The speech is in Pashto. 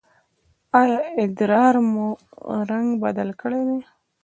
ایا ادرار مو رنګ بدل کړی دی؟